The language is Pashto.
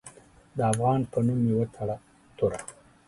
د افغان په نوم مې وتړه توره